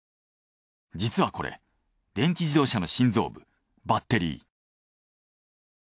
実はこれ電気自動車の心臓部バッテリー。